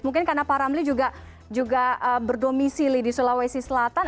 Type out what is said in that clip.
mungkin karena pak ramli juga berdomisi di sulawesi selatan